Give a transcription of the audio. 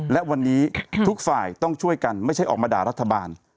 และวันนี้ทุกฝ่ายต้องช่วยกันไม่ใช่ออกมาด่ารัฐบาล